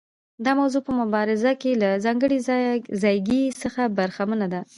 دا موضوع په مبارزه کې له ځانګړي ځایګي څخه برخمنه ده.